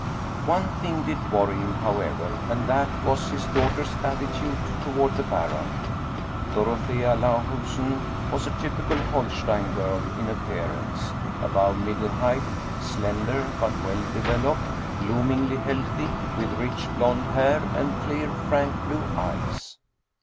One thing did worry him, however, and that was his daughter's attitude toward the Baron. Dorothea Lahusen was a typical Holstein girl in appear ance ; above middle height, slender but well developed, bloomingly healthy, with rich blond hair and clear frank blue eyes.